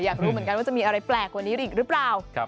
อยากรู้เหมือนกันว่าจะมีอะไรแปลกกว่านี้อีกหรือเปล่า